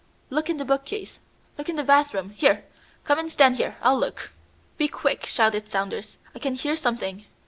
Look in the bookcase! Look in the bathroom! Here, come and stand here; I'll look." "Be quick!" shouted Saunders. "I can hear something!"